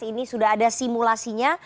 ini sudah ada simulasinya